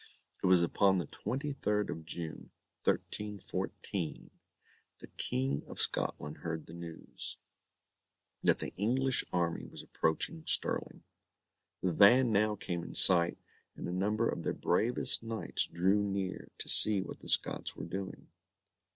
It was upon the twenty third of June, 1314, the King of Scotland heard the news, that the English army was approaching Stirling. The van now came in sight, and a number of their bravest knights drew near to see what the Scots were doing.